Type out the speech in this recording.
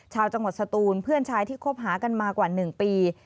ชาวจังหวัดสตูนเพื่อนชายที่คบหากันมากว่า๑ปี